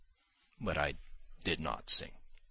But I did not sing.